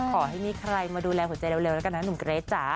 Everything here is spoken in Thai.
ขอให้มีใครมาดูแลหัวใจเร็วแล้วกันนะหนุ่มเกรทจ๋า